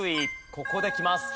ここできます。